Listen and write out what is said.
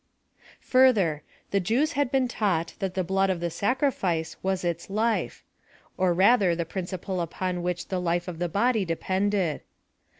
Further — The Jews had been taught that the blood of the sacrifice was its life ; or rather the principle upon which the life of the body depended.